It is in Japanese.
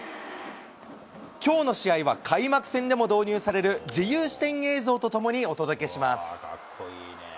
きょうの試合は開幕戦でも導入される自由視点映像と共にお届けします。